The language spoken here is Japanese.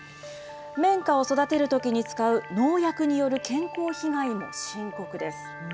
綿花を育てるときに使う農薬による健康被害も深刻です。